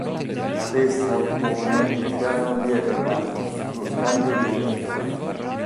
Ad essa oppone il piano Lieberman sullo scambio di territori.